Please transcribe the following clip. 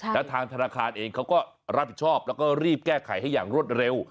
แล้วทางธนาคารเองเขาก็รับผิดชอบแล้วก็รีบแก้ไขให้อย่างรวดเร็ว